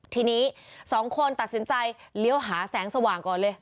ทีนี้สองคนตัดสินใจเลี้ยวหาแสงสว่างก่อนเลย